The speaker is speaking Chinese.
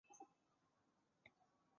林肯当场暴毙。